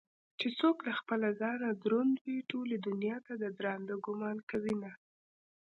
چې څوك له خپله ځانه دروندوي ټولې دنياته ددراندۀ ګومان كوينه